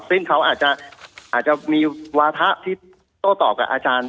ซึ่งเขาอาจจะมีวาถะที่โต้ตอบกับอาจารย์